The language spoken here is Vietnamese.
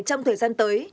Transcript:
trong thời gian tới